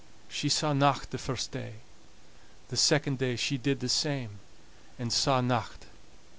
She saw nocht the first day. The second day she did the same, and saw nocht.